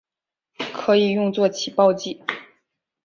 可用作起爆剂。